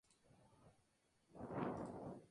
Forma parte del Corredor Mediterráneo.